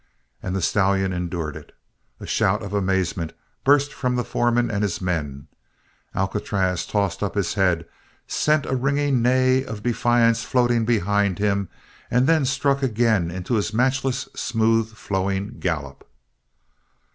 And the stallion endured it! A shout of amazement burst from the foreman and his men. Alcatraz had tossed up his head, sent a ringing neigh of defiance floating behind him, and then struck again into his matchless, smooth flowing gallop!